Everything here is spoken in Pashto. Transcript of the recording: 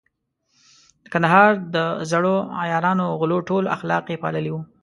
د کندهار د زړو عیارانو او غلو ټول اخلاق يې پاللي وو.